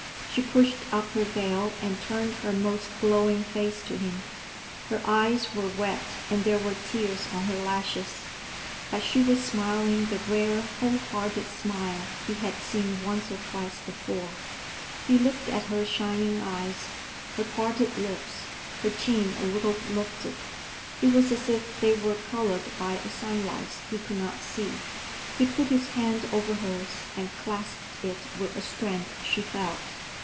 She pushed up her veil and turned her most glowing face to him. Her eyes were wet and there were tears on her lashes, but she was smiling the rare, whole hearted smile he had seen once or twice before. He looked at her shining eyes, her parted lips, her chin a little lifted. It was as if they were colored by a sunrise he could not see. He put his hand over hers and clasped it with a strength she felt.